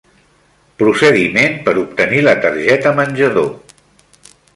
Procediment per obtenir la targeta menjador.